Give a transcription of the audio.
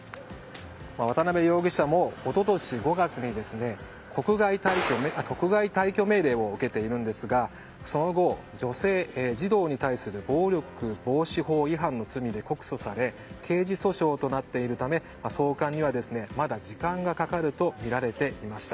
渡辺容疑者も一昨年５月に国外退去命令を受けていますがその後、女性・児童に対する暴力防止法違反の罪で告訴され刑事訴訟となっているため送還には、まだ時間がかかるとみられていました。